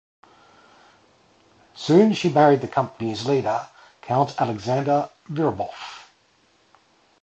Soon she married the company's leader, Count Alexander Virubov.